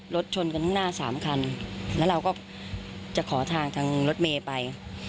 รถชนกันข้างหน้าสามคันแล้วเราก็จะขอทางทางรถเมย์ไป